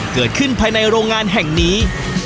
เกิดขึ้นภายในโรงงานแห่งนี้